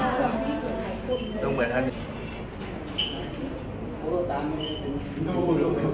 สุดท้ายก็ไม่มีเวลาที่จะรักกับที่อยู่ในภูมิหน้า